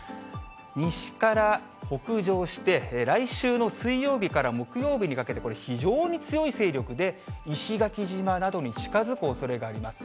西から北上して、来週の水曜日から木曜日にかけて非常に強い勢力で、石垣島などに近づくおそれがあります。